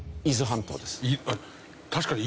確かに。